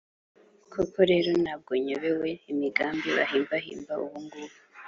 koko rero, nta bwo nyobewe imigambi bahimbahimba ubu ngubu,